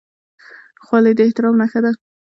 خولۍ د احترام نښه ده.